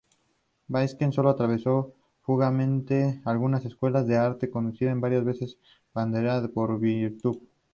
Basquiat solo atravesó fugazmente algunas escuelas de arte, conducta varias veces ponderada como virtud.